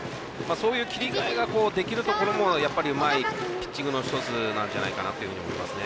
そういう切り替えができるところもうまいピッチングの１つじゃないかと思いますね。